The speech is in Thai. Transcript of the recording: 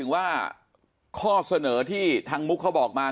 ว่าข้อเสนอที่ทางมุกเขาบอกมา